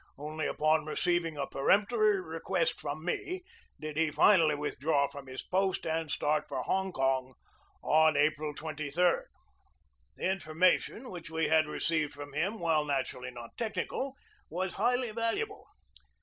Only upon receiving a peremptory request from me did he finally withdraw from his post and start for Hong Kong on April 23d. The information which we had received from him, while naturally not technical, was highly valuable.